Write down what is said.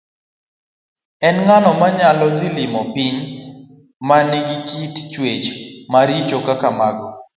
En ng'ano manyalo dhi limo piny ma nigi kit chwech maricho kaka mago?